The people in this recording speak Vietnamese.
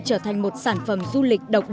trở thành một sản phẩm du lịch độc đoàn